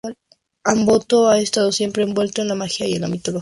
Amboto ha estado siempre envuelto en la magia y en la mitología.